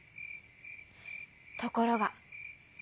ところが。